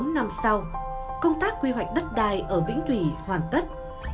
sáu năm sau công tác quy hoạch đất đai ở bến thủy hoàn tất